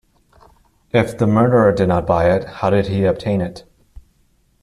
If the murderer did not buy it, how did he obtain it?